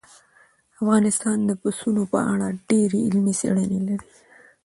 افغانستان د پسونو په اړه ډېرې علمي څېړنې لري.